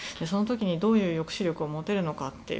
その時にどういう抑止力を持てるのか